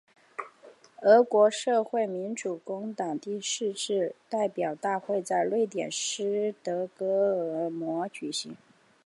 俄国社会民主工党第四次代表大会在瑞典斯德哥尔摩举行。